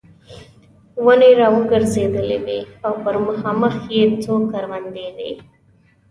ونې را ګرځېدلې وې او پر مخامخ یې څو کروندې وې.